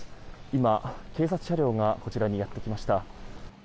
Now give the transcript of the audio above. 今、警察車両がこちらにやってきました。